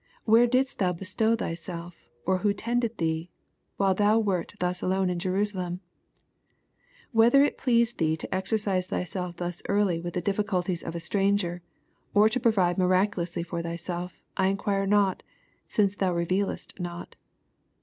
Where didst thou bestow thyself, or who tended thee, while thou wert thus alone in Jerusalem? — Whether it pleased thee to exercise thyself thus early with the difficulties of a stranger, or to provide miraculously for thyself, I inquire not, since thou revealest not.